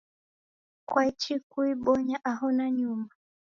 kwaichi kuibonya aho nanyuma?